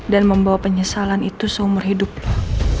dan membawa penyesalan itu seumur hidup lo